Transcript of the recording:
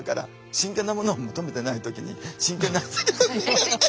真剣なものを求めてない時に真剣な。